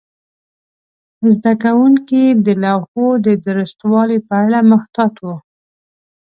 زده کوونکي د لوحو د درستوالي په اړه محتاط وو.